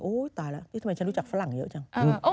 ตายแล้วนี่ทำไมฉันรู้จักฝรั่งเยอะจัง